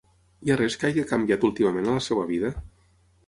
Hi ha res que hagi canviat últimament a la seva vida?